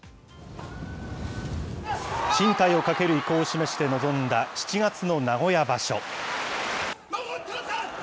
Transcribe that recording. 進退をかける意向を示して臨んだ７月の名古屋場所。